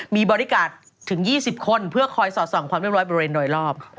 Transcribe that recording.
มีบริการถึง๒๐คนเพื่อคอยสอดส่องความเรียบร้อยบริเวณโดยรอบ